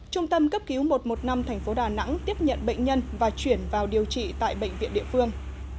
trung tâm cấp cứu một trăm một mươi năm tp đà nẵng tiếp nhận bệnh nhân và chuyển vào điều trị tại bệnh viện địa phương